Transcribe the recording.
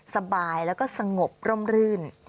สบายแล้วก็สงบร่มรื่น